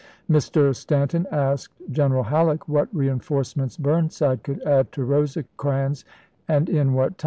Mr. Stanton asked General Halleck what reenforcements Burn side could add to Rosecrans and in what time.